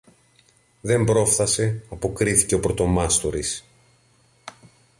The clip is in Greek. Δεν πρόφθασε, αποκρίθηκε ο πρωτομάστορης.